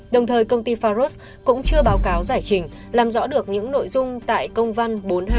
đồng thời công ty pharos cũng chưa báo cáo giải trình làm rõ được những nội dung tại công văn bốn nghìn hai trăm chín mươi tám